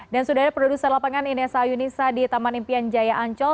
dan sudah ada produser lapangan inesa yunisa di taman impian jaya ancol